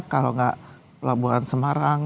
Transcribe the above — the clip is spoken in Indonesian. kalau nggak pelabuhan semarang